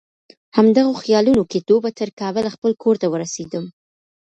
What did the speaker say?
همدغو خیالونو کې ډوبه تر کابل خپل کور ته ورسېدم.